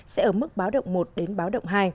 sẽ ở mức báo động một đến báo động hai